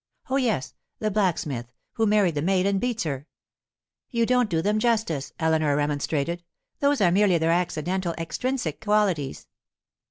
Oh, yes! the blacksmith who married the maid and beats her.' 'You don't do them justice,' Eleanor remonstrated, 'Those are merely their accidental, extrinsic qualities.